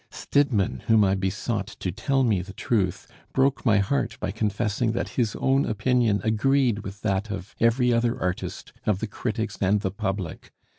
Stidmann, whom I besought to tell me the truth, broke my heart by confessing that his own opinion agreed with that of every other artist, of the critics, and the public.